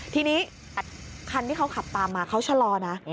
ทีนี้คันที่เขาขับตามมาเขาชะลอนะ